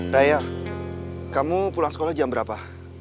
daya kamu pulang sekolah jam berapa